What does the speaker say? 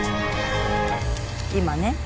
今ね